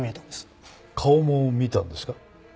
顔も見たんですか？